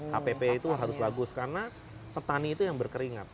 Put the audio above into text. hpp itu harus bagus karena petani itu yang berkeringat